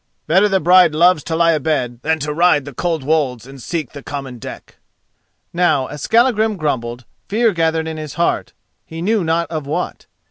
Better the bride loves to lie abed than to ride the cold wolds and seek the common deck." Now, as Skallagrim grumbled, fear gathered in his heart, he knew not of what.